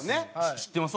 知ってます？